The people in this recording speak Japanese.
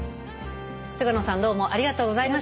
菅野さんどうもありがとうございました。